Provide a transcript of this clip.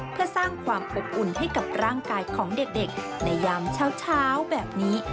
เพื่อสร้างความอบอุ่นให้กับร่างกายของเด็กในยามเช้าแบบนี้